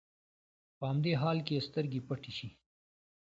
په همدې حال کې يې سترګې پټې شي.